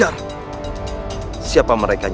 aku akan menemukanmu